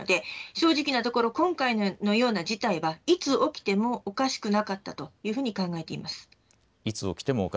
正直今回のような事態はいつ起きてもおかしくなかったと考えています。